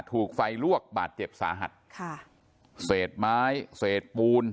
ถูกไฟลวกบาดเจ็บสาหัสค่ะเศษไม้เศษปูน